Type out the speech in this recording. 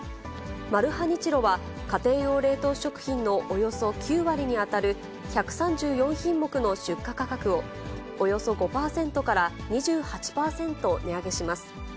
マルハニチロは、家庭用冷凍食品のおよそ９割に当たる１３４品目の出荷価格を、およそ５％から２８％値上げします。